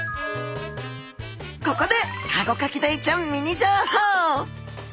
ここでカゴカキダイちゃんミニ情報！